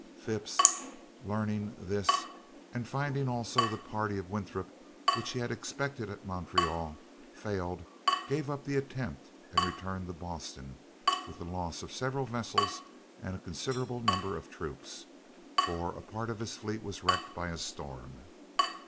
Phipps, learning this, and finding, also, that the party of Winthrop, which he expected at Montreal, failed, gave up the attempt, and returned to Boston, with the loss of several vessels and a considerable number of troops, for a part of his fleet was wrecked by a storm.